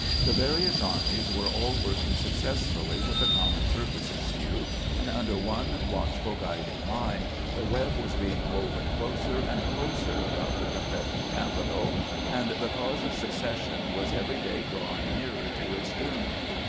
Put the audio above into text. The various armies were aU working successfully with 26 401 402 CAMPAIGNING WITH GRANT a common purpose in view, and under one watchful, guiding mind the web was being woven closer and closer about the Confederate capital, and the cause of secession was every day drawing nearer to its doom.